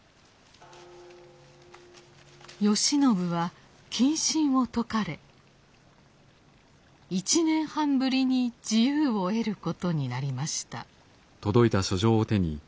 慶喜は謹慎を解かれ１年半ぶりに自由を得ることになりました。